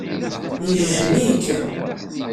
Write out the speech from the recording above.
Yejjem-ik.